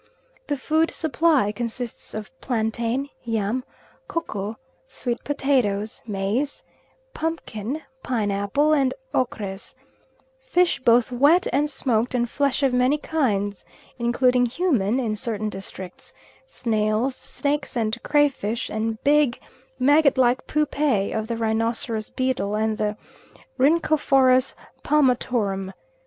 The food supply consists of plantain, yam, koko, sweet potatoes, maize, pumpkin, pineapple, and ochres, fish both wet and smoked, and flesh of many kinds including human in certain districts snails, snakes, and crayfish, and big maggot like pupae of the rhinoceros beetle and the Rhyncophorus palmatorum.